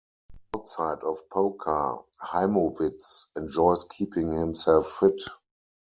Outside of poker, Heimowitz enjoys keeping himself fit.